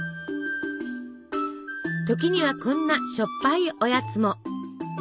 時にはこんなしょっぱいおやつも。